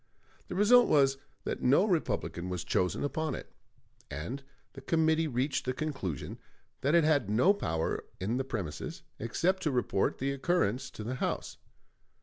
The result was that no Republican was chosen upon it; and the committee reached the conclusion that it had no power in the premises, except to report the occurrence to the House.